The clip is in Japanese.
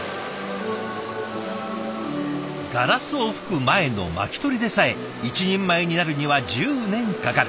ガラスを吹く前の巻き取りでさえ一人前になるには１０年かかる。